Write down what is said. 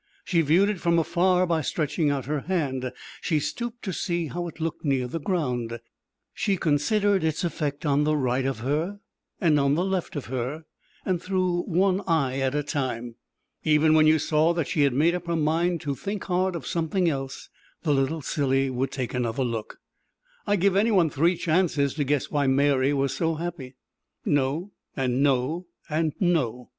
She viewed it from afar by stretching out her hand; she stooped to see how it looked near the ground; she considered its effect on the right of her and on the left of her and through one eye at a time. Even when you saw that she had made up her mind to think hard of something else, the little silly would take another look. I give anyone three chances to guess why Mary was so happy. No and no and no.